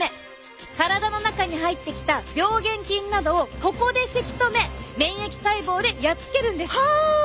体の中に入ってきた病原菌などをここでせき止め免疫細胞でやっつけるんです。